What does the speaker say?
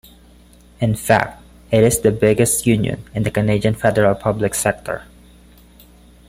In fact, it is the biggest union in the Canadian federal public sector.